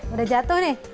udah jatuh nih